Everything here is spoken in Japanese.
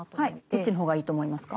どっちの方がいいと思いますか？